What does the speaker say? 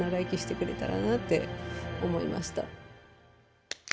って思いました。